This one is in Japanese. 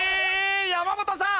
山本さん！